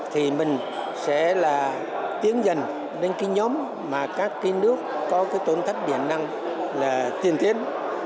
thì mình sẽ tiến dần đến nhóm các nước có tổn thất điện năng tiên tiến